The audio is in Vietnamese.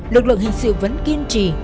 lực lượng hình sự vẫn kiên trì